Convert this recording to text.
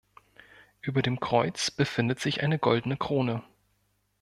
Über dem Kreuz befindet sich eine goldene Krone.